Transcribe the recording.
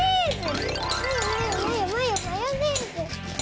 マヨマヨマヨマヨマヨネーズ！